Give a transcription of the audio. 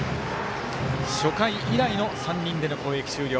初回以来の３人での攻撃終了。